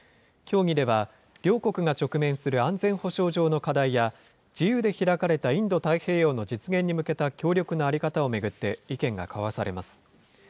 協議では、両国が直面する安全保障上の課題や、自由で開かれたインド太平洋の実現に向けた協力の在り方を巡って意見が交わされます。